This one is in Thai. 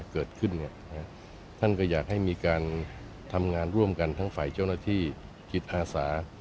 เกิดขึ้นท่านก็อยากให้มีการทำงานร่วมกันทั้งฝ่ายเจ้าหน้าที่จิตอาสา